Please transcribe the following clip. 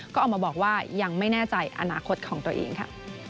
ก็ออกมาบอกว่ายังไม่แน่ใจอนาคตของตัวเองค่ะ